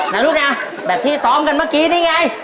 นะลูกนะแบบที่ซ้อมกันเมื่อกี้นี่ไง